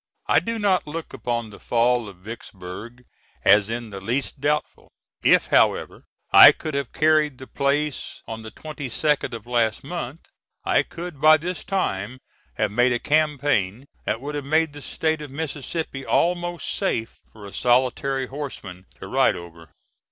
I do not look upon the fall of Vicksburg as in the least doubtful. If, however, I could have carried the place on the 22nd of last month, I could by this time have made a campaign that would have made the State of Mississippi almost safe for a solitary horseman to ride over.